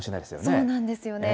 そうなんですよね。